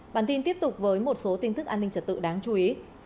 bản tin tiếp tục với một số tin tức an ninh trật tự đáng chú ý